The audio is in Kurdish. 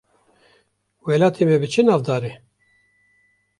Welatê me bi çi navdar e?